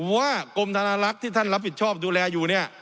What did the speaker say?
ว่ากรมธนาลักษณ์ที่ท่านรับผิดชอบดูแลอยู่เนี่ย